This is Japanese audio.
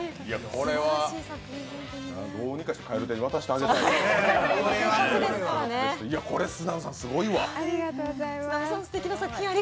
これはどうにかして蛙亭に渡してあげたいなあ。